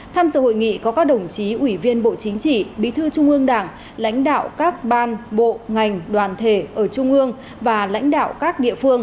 tham dự hội nghị có các đồng chí ủy viên bộ chính trị bí thư trung ương đảng lãnh đạo các ban bộ ngành đoàn thể ở trung ương và lãnh đạo các địa phương